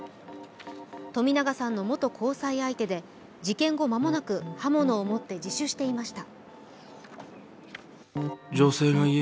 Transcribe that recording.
冨永さんの元交際相手で事件後間もなく刃物を持って自首していました。